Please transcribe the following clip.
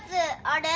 あれ。